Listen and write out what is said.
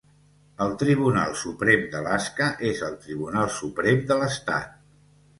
El Tribunal Suprem d'Alaska és el tribunal suprem de l'estat.